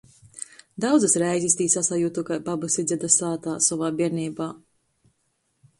Daudzys reizis tī sasajutu kai babys i dzeda sātā sovā bierneibā.